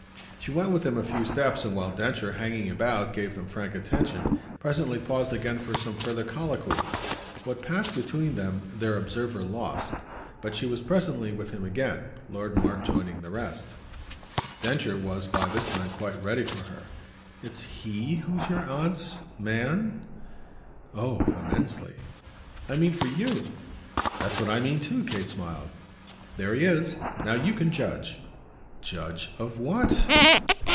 She went with him a few steps, and while Densher, hanging about, gave them frank attention, presently paused again for some further colloquy. What passed between them their observer lost, but she was presently with him again, Lord Mark joining the rest. Densher was by this time quite ready for her. "It's HE who's your aunt's man?" "Oh immensely." "I mean for YOU." "That's what I mean too," Kate smiled. "There he is. Now you can judge." "Judge of what?"